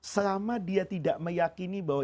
selama dia tidak meyakini bahwa